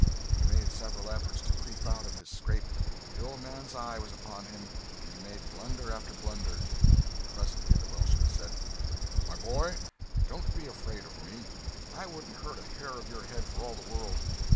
He made several efforts to creep out of his scrape, but the old man's eye was upon him and he made blunder after blunder. Presently the Welshman said: "My boy, don't be afraid of me. I wouldn't hurt a hair of your head for all the world.